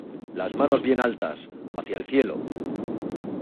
¡ Las manos bien altas, hacia el cielo!